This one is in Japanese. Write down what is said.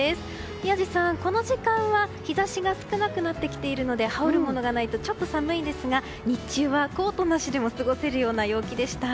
宮司さん、この時間は日差しが少なくなってきているので羽織るものがないとちょっと寒いですが日中はコートなしでも過ごせるような陽気でした。